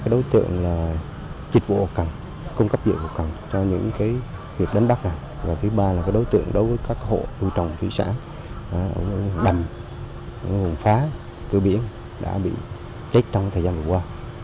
đối với các hộ hồ trồng thủy sản đầm vùng phá tử biển đã bị chết trong thời gian vừa qua